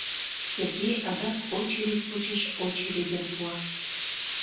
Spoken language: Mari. Сергей адак очередь почеш очередьым пуа.